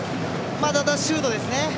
あとはシュートですね。